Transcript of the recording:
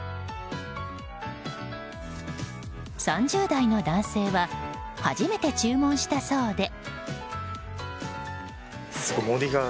３０代の男性は初めて注文したそうで。